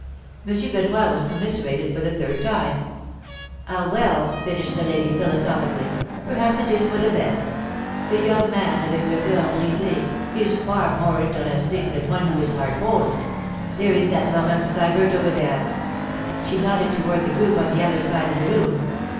Monsieur Benoit was commiserated for the third time. 'Ah, well,' finished the lady, philosophically, 'perhaps it is for the best. A young man avec le cœur brisé is far more interesting than one who is heart whole. There is that Laurence Sybert over there.' She nodded toward the group on the other side of the room.